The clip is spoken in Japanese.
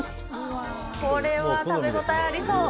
これは食べ応えありそう。